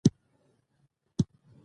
آیا کاناډا د ګاز شرکتونه نلري؟